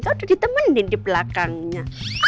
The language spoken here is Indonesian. sudah ditemenin di belakangnya